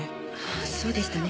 そうでしたね。